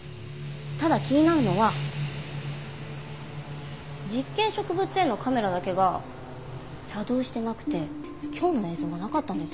ただ気になるのは実験植物園のカメラだけが作動してなくて今日の映像がなかったんです。